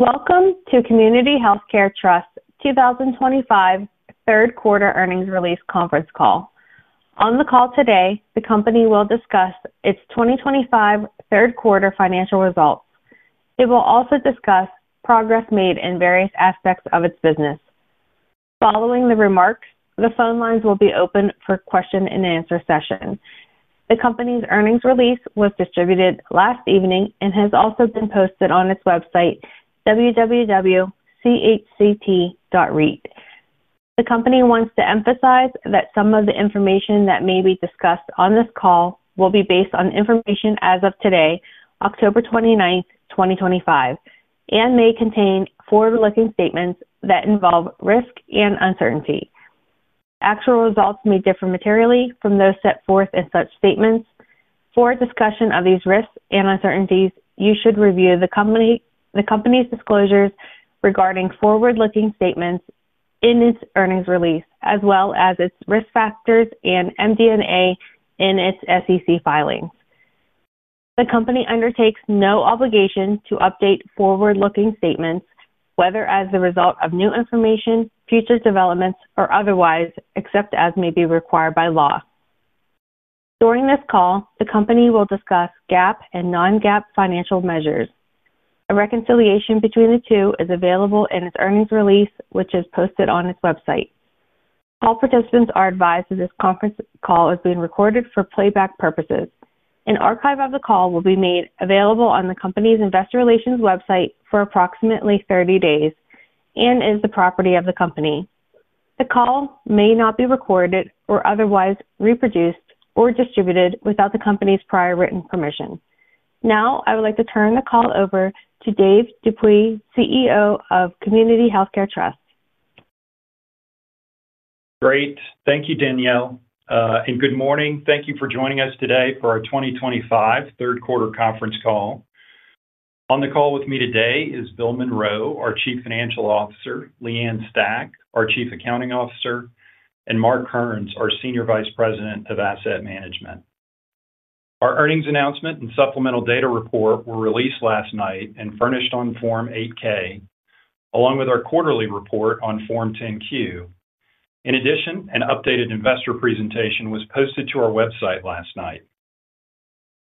Welcome to Community Healthcare Trust 2025 third quarter earnings release conference call. On the call today, the company will discuss its 2025 third quarter financial results. It will also discuss progress made in various aspects of its business. Following the remarks, the phone lines will be open for question and answer session. The company's earnings release was distributed last evening and has also been posted on its website, www.chct.reit. The company wants to emphasize that some of the information that may be discussed on this call will be based on information as of today, October 29th, 2025, and may contain forward-looking statements that involve risk and uncertainty. Actual results may differ materially from those set forth in such statements. For a discussion of these risks and uncertainties, you should review the company's disclosures regarding forward-looking statements in its earnings release, as well as its Risk Factors and MD&A in its SEC filings. The company undertakes no obligation to update forward-looking statements, whether as the result of new information, future developments, or otherwise, except as may be required by law. During this call, the company will discuss GAAP and non-GAAP financial measures. A reconciliation between the two is available in its earnings release, which is posted on its website. All participants are advised that this conference call is being recorded for playback purposes. An archive of the call will be made available on the company's Investor Relations website for approximately 30 days and is the property of the company. The call may not be recorded or otherwise reproduced or distributed without the company's prior written permission. Now, I would like to turn the call over to Dave Dupuy, CEO of Community Healthcare Trust. Great. Thank you, Danielle. Good morning. Thank you for joining us today for our 2025 third quarter conference call. On the call with me today is Bill Monroe, our Chief Financial Officer, Leigh Ann Stach, our Chief Accounting Officer, and Mark Kearns, our Senior Vice President of Asset Management. Our earnings announcement and supplemental data report were released last night and furnished on Form 8-K, along with our quarterly report on Form 10-Q. In addition, an updated investor presentation was posted to our website last night.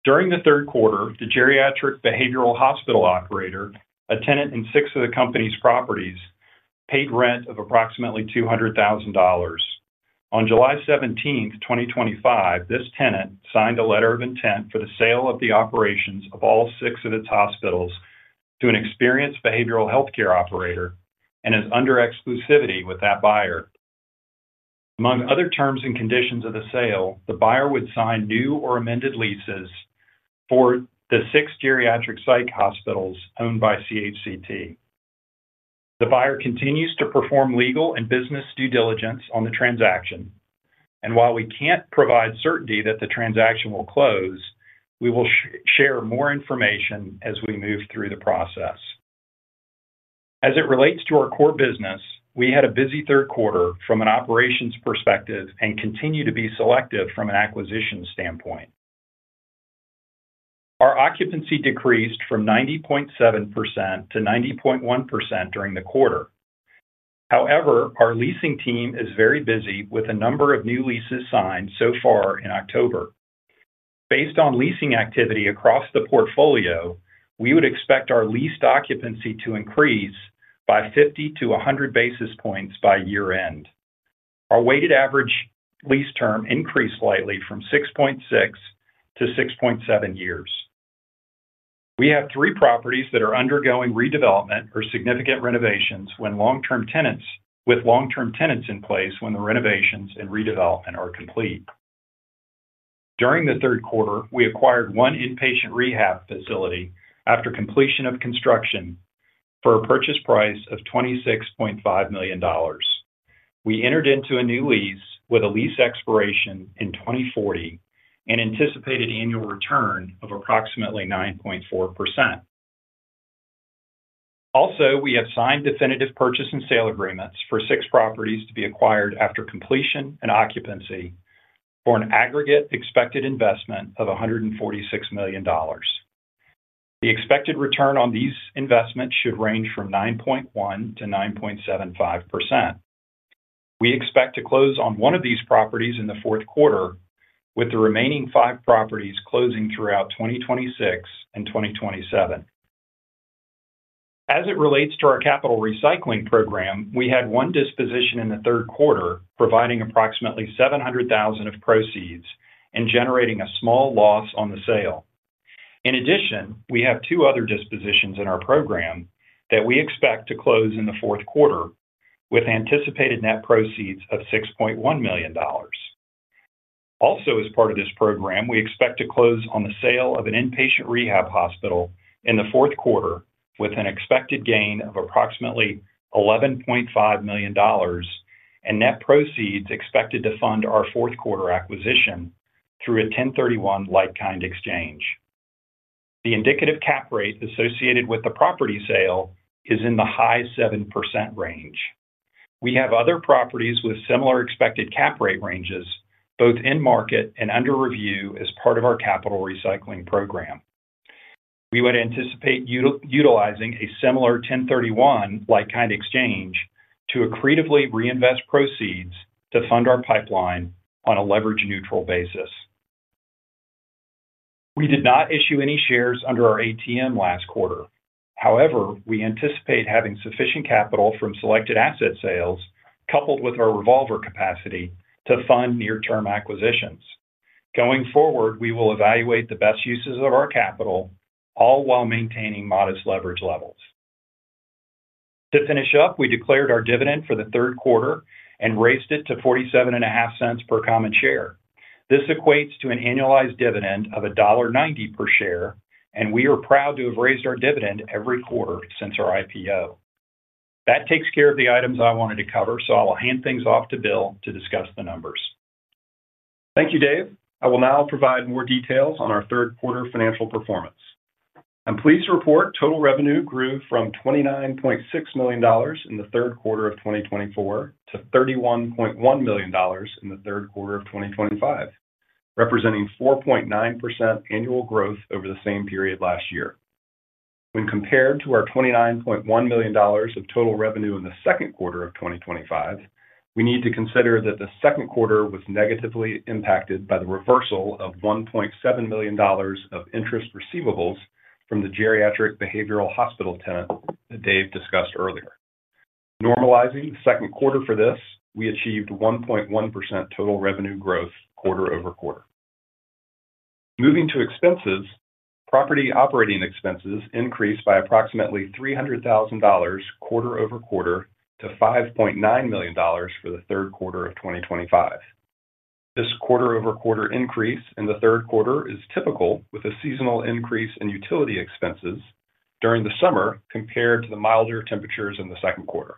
During the third quarter, the geriatric behavioral hospital operator, a tenant in six of the company's properties, paid rent of approximately $200,000. On July 17th, 2025, this tenant signed a letter of intent for the sale of the operations of all six of its hospitals to an experienced behavioral healthcare operator and is under exclusivity with that buyer. Among other terms and conditions of the sale, the buyer would sign new or amended leases for the six geriatric psych hospitals owned by CHCT. The buyer continues to perform legal and business due diligence on the transaction. While we can't provide certainty that the transaction will close, we will share more information as we move through the process. As it relates to our core business, we had a busy third quarter from an operations perspective and continue to be selective from an acquisition standpoint. Our occupancy decreased from 90.7% to 90.1% during the quarter. However, our leasing team is very busy with a number of new leases signed so far in October. Based on leasing activity across the portfolio, we would expect our leased occupancy to increase by 50 basis points-100 basis points by year-end. Our weighted average lease term increased slightly from 6.6 to 6.7 years. We have three properties that are undergoing redevelopment or significant renovations with long-term tenants in place when the renovations and redevelopment are complete. During the third quarter, we acquired one inpatient rehabilitation facility after completion of construction for a purchase price of $26.5 million. We entered into a new lease with a lease expiration in 2040 and anticipated annual return of approximately 9.4%. Also, we have signed definitive purchase and sale agreements for six properties to be acquired after completion and occupancy for an aggregate expected investment of $146 million. The expected return on these investments should range from 9.1%-9.75%. We expect to close on one of these properties in the fourth quarter, with the remaining five properties closing throughout 2026 and 2027. As it relates to our capital recycling program, we had one disposition in the third quarter providing approximately $700,000 of proceeds and generating a small loss on the sale. In addition, we have two other dispositions in our program that we expect to close in the fourth quarter with anticipated net proceeds of $6.1 million. Also, as part of this program, we expect to close on the sale of an inpatient rehabilitation facility in the fourth quarter with an expected gain of approximately $11.5 million and net proceeds expected to fund our fourth quarter acquisition through a 1031 like-kind exchange. The indicative cap rate associated with the property sale is in the high 7% range. We have other properties with similar expected cap rate ranges both in market and under review as part of our capital recycling program. We would anticipate utilizing a similar 1031 like-kind exchange to accretively reinvest proceeds to fund our pipeline on a leverage-neutral basis. We did not issue any shares under our ATM last quarter. However, we anticipate having sufficient capital from selected asset sales coupled with our revolver capacity to fund near-term acquisitions. Going forward, we will evaluate the best uses of our capital, all while maintaining modest leverage levels. To finish up, we declared our dividend for the third quarter and raised it to $0.4750 per common share. This equates to an annualized dividend of $1.90 per share, and we are proud to have raised our dividend every quarter since our IPO. That takes care of the items I wanted to cover, so I will hand things off to Bill to discuss the numbers. Thank you, Dave. I will now provide more details on our third quarter financial performance. I'm pleased to report total revenue grew from $29.6 million in the third quarter of 2024 to $31.1 million in the third quarter of 2025, representing 4.9% annual growth over the same period last year. When compared to our $29.1 million of total revenue in the second quarter of 2025, we need to consider that the second quarter was negatively impacted by the reversal of $1.7 million of interest receivables from the geriatric behavioral hospital tenant that Dave discussed earlier. Normalizing the second quarter for this, we achieved 1.1% total revenue growth quarter-over-quarter. Moving to expenses, property operating expenses increased by approximately $300,000 quarter-over-quarter to $5.9 million for the third quarter of 2025. This quarter-over-quarter increase in the third quarter is typical with a seasonal increase in utility expenses during the summer compared to the milder temperatures in the second quarter.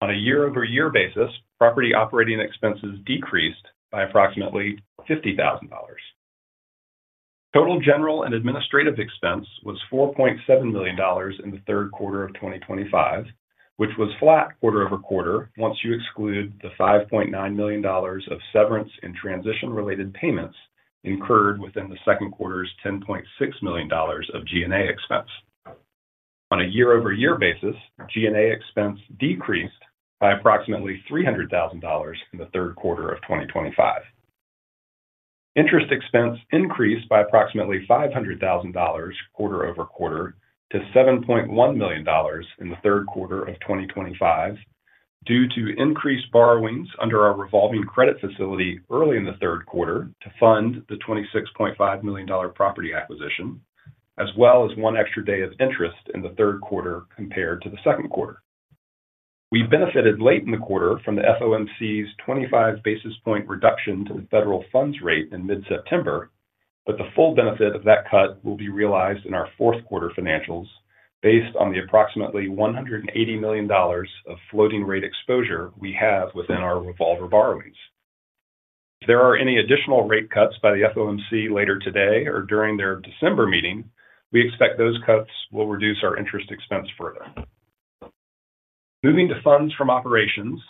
On a year-over-year basis, property operating expenses decreased by approximately $50,000. Total general and administrative expense was $4.7 million in the third quarter of 2025, which was flat quarter-over-quarter once you exclude the $5.9 million of severance and transition-related payments incurred within the second quarter's $10.6 million of G&A expense. On a year-over-year basis, G&A expense decreased by approximately $300,000 in the third quarter of 2025. Interest expense increased by approximately $500,000 quarter-over-quarter to $7.1 million in the third quarter of 2025 due to increased borrowings under our revolving credit facility early in the third quarter to fund the $26.5 million property acquisition, as well as one extra day of interest in the third quarter compared to the second quarter. We benefited late in the quarter from the FOMC's 25 basis point reduction to the federal funds rate in mid-September, but the full benefit of that cut will be realized in our fourth quarter financials based on the approximately $180 million of floating rate exposure we have within our revolver borrowings. If there are any additional rate cuts by the FOMC later today or during their December meeting, we expect those cuts will reduce our interest expense further. Moving to funds from operations,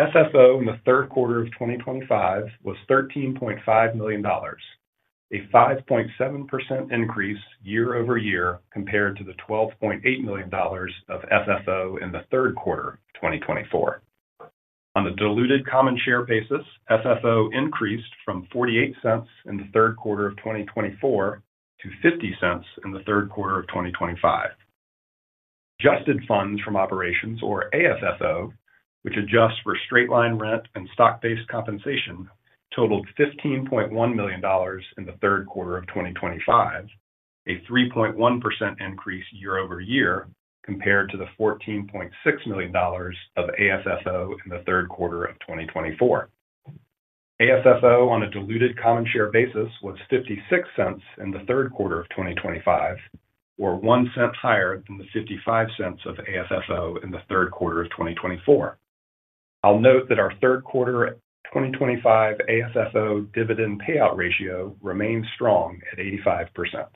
FFO in the third quarter of 2025 was $13.5 million, a 5.7% increase year over year compared to the $12.8 million of FFO in the third quarter of 2024. On the diluted common share basis, FFO increased from $0.48 in the third quarter of 2024 to $0.50 in the third quarter of 2025. Adjusted funds from operations, or AFFO, which adjusts for straight line rent and stock-based compensation, totaled $15.1 million in the third quarter of 2025, a 3.1% increase year over year compared to the $14.6 million of AFFO in the third quarter of 2024. AFFO on a diluted common share basis was $0.56 in the third quarter of 2025, or $0.01 higher than the $0.55 of AFFO in the third quarter of 2024. I'll note that our third quarter 2025 AFFO dividend payout ratio remains strong at 85%.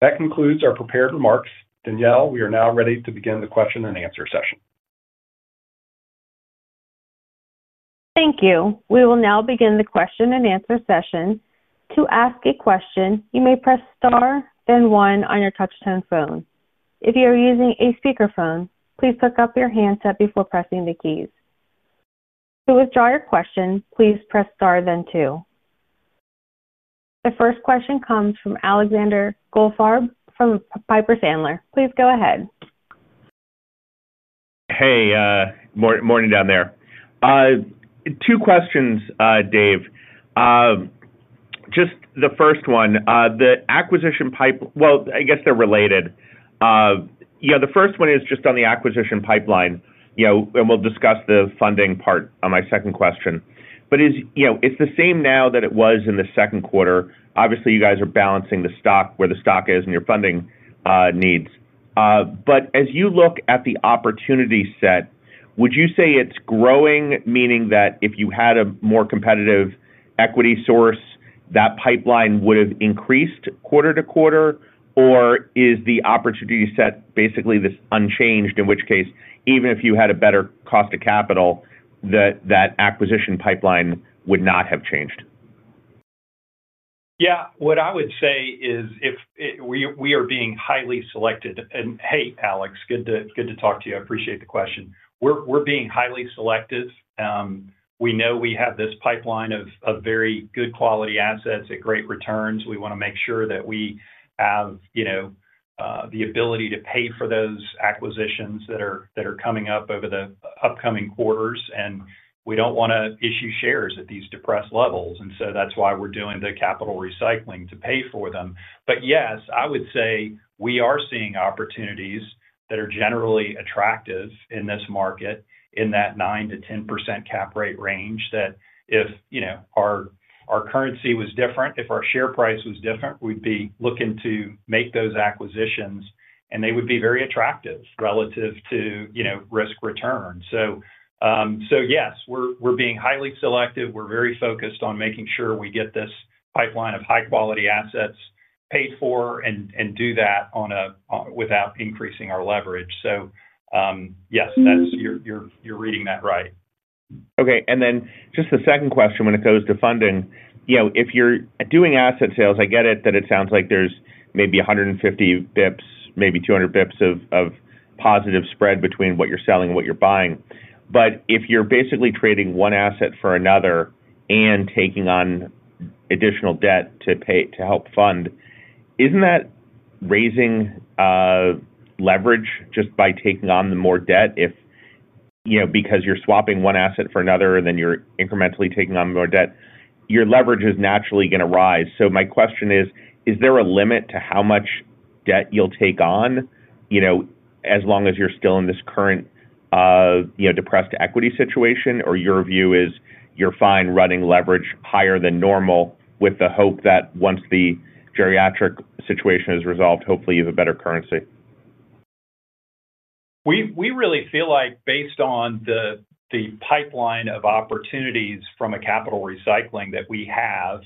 That concludes our prepared remarks. Danielle, we are now ready to begin the question and answer session. Thank you. We will now begin the question and answer session. To ask a question, you may press star, then one on your touch-tone phone. If you are using a speakerphone, please pick up your handset before pressing the keys. To withdraw your question, please press star, then two. The first question comes from Alexander Goldfarb from Piper Sandler. Please go ahead. Hey, morning down there. Two questions, Dave. The first one, the acquisition pipeline, I guess they're related. The first one is just on the acquisition pipeline, and we'll discuss the funding part on my second question. Is it the same now that it was in the second quarter? Obviously, you guys are balancing where the stock is and your funding needs. As you look at the opportunity set, would you say it's growing, meaning that if you had a more competitive equity source, that pipeline would have increased quarter to quarter, or is the opportunity set basically unchanged, in which case, even if you had a better cost of capital, that acquisition pipeline would not have changed? Yeah, what I would say is if we are being highly selective, and hey, Alex, good to talk to you. I appreciate the question. We're being highly selective. We know we have this pipeline of very good quality assets at great returns. We want to make sure that we have the ability to pay for those acquisitions that are coming up over the upcoming quarters, and we don't want to issue shares at these depressed levels. That's why we're doing the capital recycling to pay for them. Yes, I would say we are seeing opportunities that are generally attractive in this market in that 9%-10% cap rate range that if our currency was different, if our share price was different, we'd be looking to make those acquisitions, and they would be very attractive relative to risk return. Yes, we're being highly selective. We're very focused on making sure we get this pipeline of high-quality assets paid for and do that without increasing our leverage. Yes, you're reading that right. Okay. Then just the second question when it goes to funding, you know, if you're doing asset sales, I get it that it sounds like there's maybe 150 bps, maybe 200 bps of positive spread between what you're selling and what you're buying. If you're basically trading one asset for another and taking on additional debt to help fund, isn't that raising leverage just by taking on more debt? You know, because you're swapping one asset for another and then you're incrementally taking on more debt, your leverage is naturally going to rise. My question is, is there a limit to how much debt you'll take on, you know, as long as you're still in this current depressed equity situation or your view is you're fine running leverage higher than normal with the hope that once the geriatric situation is resolved, hopefully you have a better currency? We really feel like based on the pipeline of opportunities from a capital recycling that we have,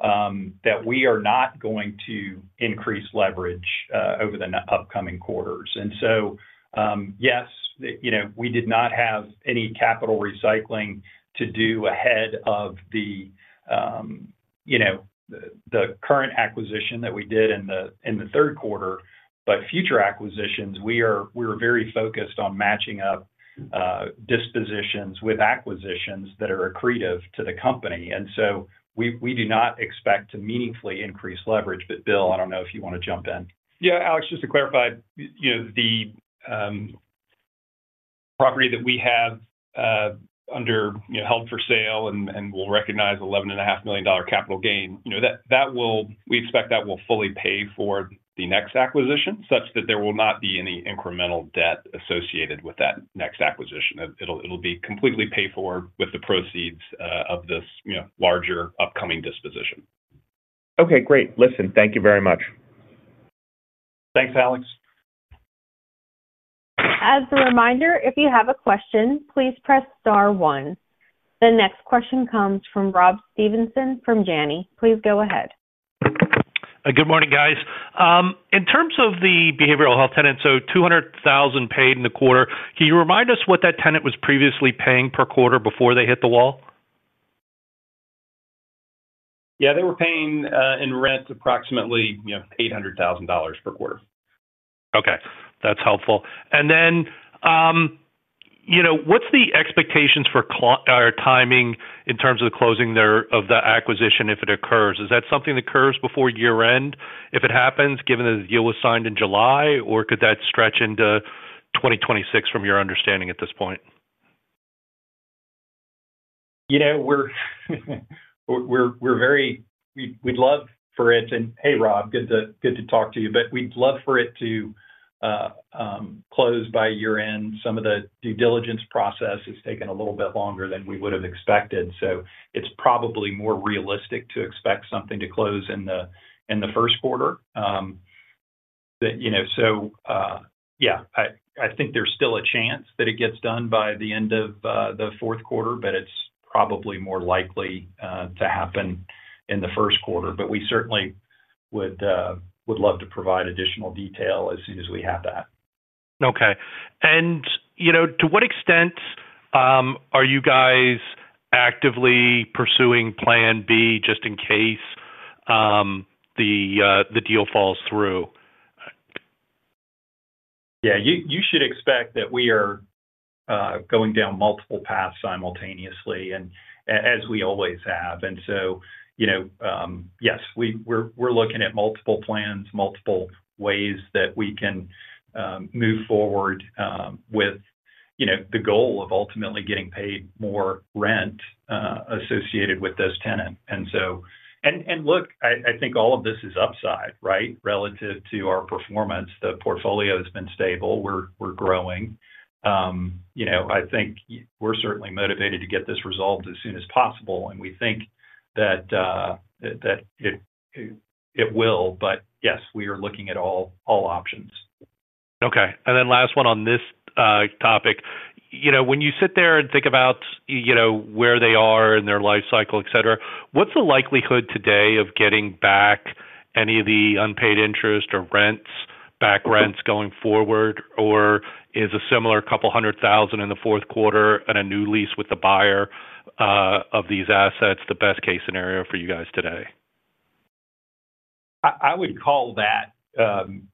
that we are not going to increase leverage over the upcoming quarters. Yes, you know, we did not have any capital recycling to do ahead of the, you know, the current acquisition that we did in the third quarter. Future acquisitions, we are very focused on matching up dispositions with acquisitions that are accretive to the company. We do not expect to meaningfully increase leverage. Bill, I don't know if you want to jump in. Yeah, Alex, just to clarify, the property that we have held for sale and will recognize $11.5 million capital gain, we expect that will fully pay for the next acquisition such that there will not be any incremental debt associated with that next acquisition. It'll be completely paid for with the proceeds of this larger upcoming disposition. Okay, great. Thank you very much. Thanks, Alex. As a reminder, if you have a question, please press star one. The next question comes from Rob Stevenson from Janney. Please go ahead. Good morning, guys. In terms of the behavioral health tenant, $200,000 paid in the quarter, can you remind us what that tenant was previously paying per quarter before they hit the wall? Yeah, they were paying in rent approximately $800,000 per quarter. Okay, that's helpful. You know, what's the expectations for our timing in terms of the closing of the acquisition if it occurs? Is that something that occurs before year-end if it happens given that the deal was signed in July, or could that stretch into 2026 from your understanding at this point? We're very, we'd love for it, and hey, Rob, good to talk to you, but we'd love for it to close by year-end. Some of the due diligence process has taken a little bit longer than we would have expected. It's probably more realistic to expect something to close in the first quarter. I think there's still a chance that it gets done by the end of the fourth quarter, but it's probably more likely to happen in the first quarter. We certainly would love to provide additional detail as soon as we have that. Okay. To what extent are you guys actively pursuing plan B just in case the deal falls through? You should expect that we are going down multiple paths simultaneously, as we always have. Yes, we're looking at multiple plans, multiple ways that we can move forward with the goal of ultimately getting paid more rent associated with this tenant. I think all of this is upside, right, relative to our performance. The portfolio has been stable. We're growing. I think we're certainly motivated to get this resolved as soon as possible. We think that it will. Yes, we are looking at all options. Okay. Last one on this topic, when you sit there and think about where they are in their life cycle, etc., what's the likelihood today of getting back any of the unpaid interest or rents, back rents going forward, or is a similar couple hundred thousand in the fourth quarter and a new lease with the buyer of these assets the best case scenario for you guys today? I would call that,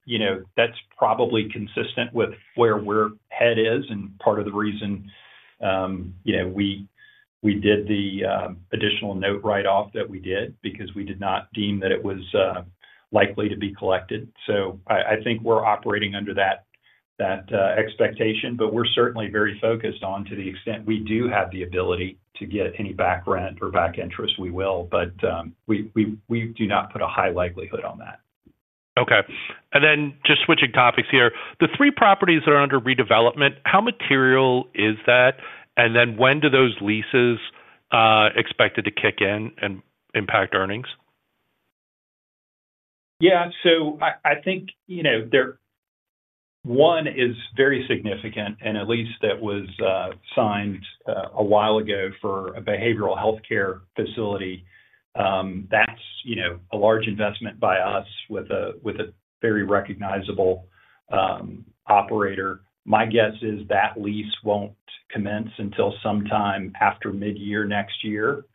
you know, that's probably consistent with where we're headed and part of the reason, you know, we did the additional note write-off that we did is because we did not deem that it was likely to be collected. I think we're operating under that expectation, but we're certainly very focused on, to the extent we do have the ability to get any back rent or back interest, we will. We do not put a high likelihood on that. Okay. Just switching topics here, the three properties that are under redevelopment, how material is that? When do those leases expect it to kick in and impact earnings? Yeah, so I think one is very significant in a lease that was signed a while ago for a behavioral residential treatment facility. That's a large investment by us with a very recognizable operator. My guess is that lease won't commence until sometime after mid-year next year.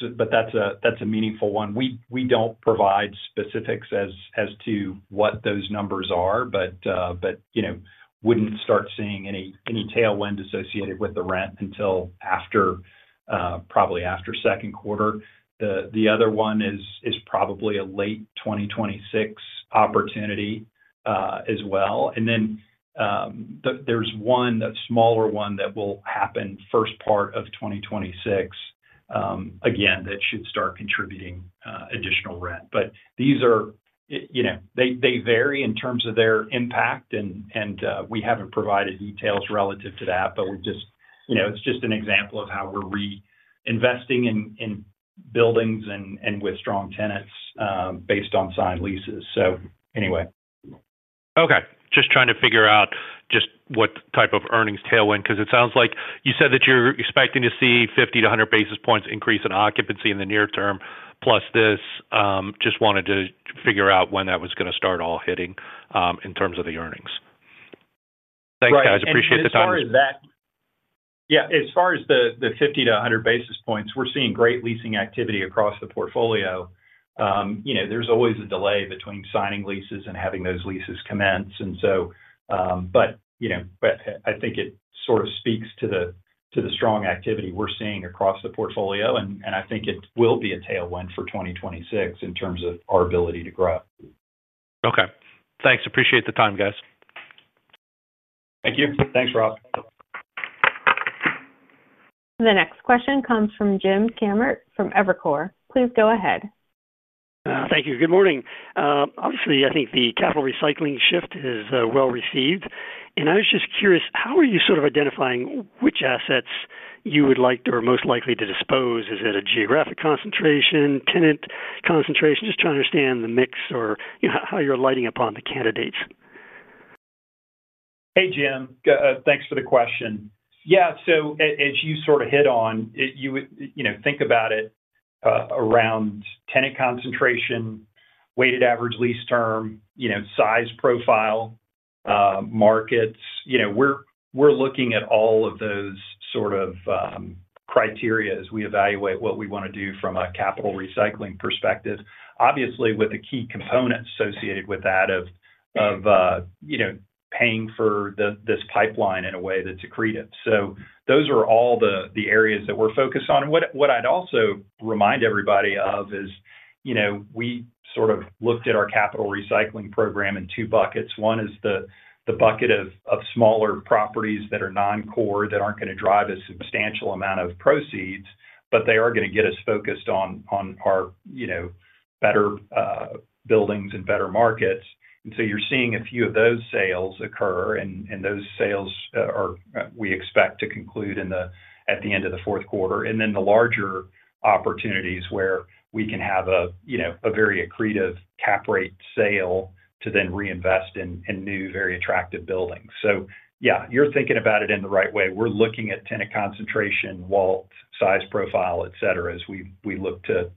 That's a meaningful one. We don't provide specifics as to what those numbers are, but wouldn't start seeing any tailwind associated with the rent until after, probably after second quarter. The other one is probably a late 2026 opportunity as well. There's one smaller one that will happen first part of 2026, again, that should start contributing additional rent. These vary in terms of their impact, and we haven't provided details relative to that, but it's just an example of how we're reinvesting in buildings and with strong tenants based on signed leases. Anyway. Okay. Just trying to figure out just what type of earnings tailwind, because it sounds like you said that you're expecting to see 50 basis points-100 basis points increase in occupancy in the near term, plus this. Just wanted to figure out when that was going to start all hitting in terms of the earnings. Thanks, guys. Appreciate the time. Yeah, as far as the 50 basis points-100 basis points, we're seeing great leasing activity across the portfolio. There's always a delay between signing leases and having those leases commence, but I think it sort of speaks to the strong activity we're seeing across the portfolio, and I think it will be a tailwind for 2026 in terms of our ability to grow. Okay, thanks. Appreciate the time, guys. Thank you. Thanks, Rob. The next question comes from Jim Kammert from Evercore. Please go ahead. Thank you. Good morning. Obviously, I think the capital recycling shift is well received. I was just curious, how are you sort of identifying which assets you would like to or most likely to dispose? Is it a geographic concentration, tenant concentration? Just trying to understand the mix or how you're lighting upon the candidates. Hey, Jim. Thanks for the question. Yeah, as you sort of hit on, you would, you know, think about it around tenant concentration, weighted average lease term, size profile, markets. We're looking at all of those criteria as we evaluate what we want to do from a capital recycling perspective. Obviously, with the key components associated with that of paying for this pipeline in a way that's accretive. Those are all the areas that we're focused on. What I'd also remind everybody of is, we sort of looked at our capital recycling program in two buckets. One is the bucket of smaller properties that are non-core that aren't going to drive a substantial amount of proceeds, but they are going to get us focused on our better buildings and better markets. You're seeing a few of those sales occur, and those sales we expect to conclude at the end of the fourth quarter. The larger opportunities are where we can have a very accretive cap rate sale to then reinvest in new very attractive buildings. Yeah, you're thinking about it in the right way. We're looking at tenant concentration, weighted average lease term, size profile, etc., as we look to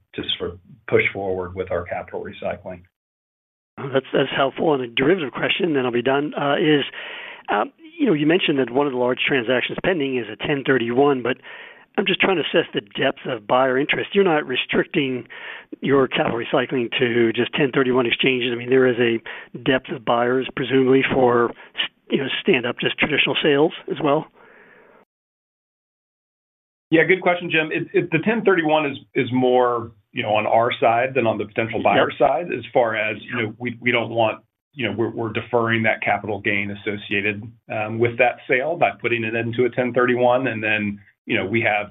push forward with our capital recycling. That's helpful. The derivative question, then I'll be done, is, you mentioned that one of the large transactions pending is a 1031, but I'm just trying to assess the depth of buyer interest. You're not restricting your capital recycling to just 1031 exchanges. There is a depth of buyers presumably for, you know, stand-up, just traditional sales as well. Yeah, good question, Jim. The 1031 is more, you know, on our side than on the potential buyer's side as far as, you know, we don't want, you know, we're deferring that capital gain associated with that sale by putting it into a 1031. We have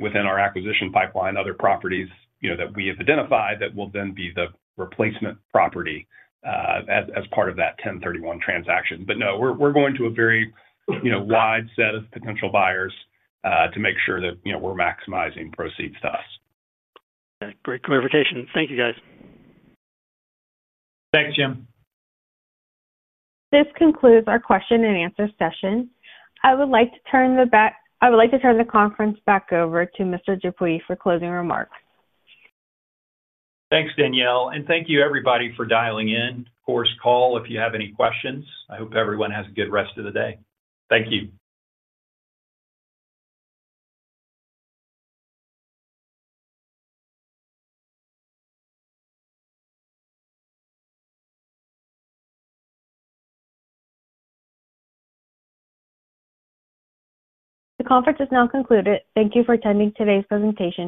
within our acquisition pipeline other properties, you know, that we have identified that will then be the replacement property as part of that 1031 like-kind exchange transaction. No, we're going to a very, you know, wide set of potential buyers to make sure that, you know, we're maximizing proceeds to us. Okay, great clarification. Thank you, guys. Thanks, Jim. This concludes our question and answer session. I would like to turn the conference back over to Mr. Dupuy for closing remarks. Thanks, Danielle. Thank you, everybody, for dialing in. Of course, call if you have any questions. I hope everyone has a good rest of the day. Thank you. The conference is now concluded. Thank you for attending today's presentation.